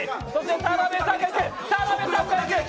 田辺さんが行く！